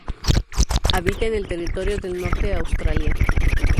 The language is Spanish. Habita en el Territorio del Norte Australia.